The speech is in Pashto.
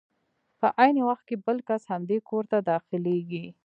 په عین وخت کې بل کس همدې کور ته داخلېږي.